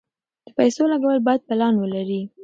د پیسو لګول باید پلان ولري.